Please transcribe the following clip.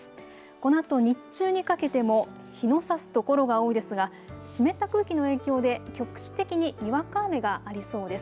このあと日中にかけても日のさす所が多いですが湿った空気の影響で局地的ににわか雨がありそうです。